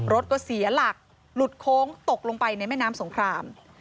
รถก็เสียหลักหลุดโค้งตกลงไปในแม่น้ำสงคราม